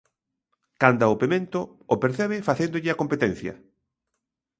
Canda o pemento, o percebe facéndolle a competencia.